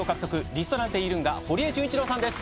リストランテイ・ルンガ堀江純一郎さんです